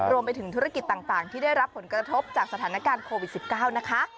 รวมไปถึงธุรกิจต่างที่ได้รับผลกระทบจากสถานการณ์โควิด๑๙นะคะ